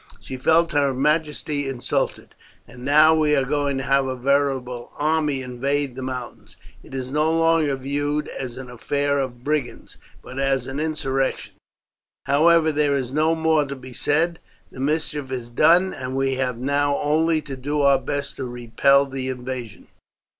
She felt her majesty insulted, and now we are going to have a veritable army invade the mountains. It is no longer viewed as an affair of brigands, but as an insurrection. However, there is no more to be said, the mischief is done, and we have now only to do our best to repel the invasion.